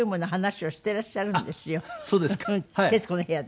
『徹子の部屋』で。